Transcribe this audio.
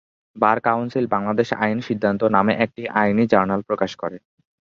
বার council ‘Bangladesh আইনি সিদ্ধান্ত’ নামে একটি আইনি জার্নাল প্রকাশ করে।